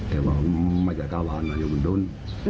แต่ว่าไม่จากกระวังน่ะอยู่บนดุ้น